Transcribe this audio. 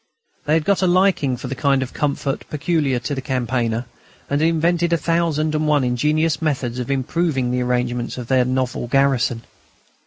They had got a liking for the kind of comfort peculiar to the campaigner, and had invented a thousand and one ingenious methods of improving the arrangements of their novel garrison.